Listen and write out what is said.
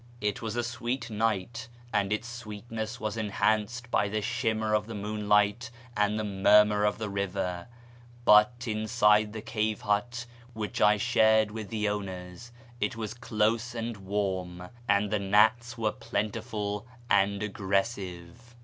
It was a sweet night, and its sweetness was enhanced by the shimmer of the moonlight and the murmur of the river ; but inside the cave hut, which I shared with the owners, it was close and warm, and the gnats were plentiful and aggressive.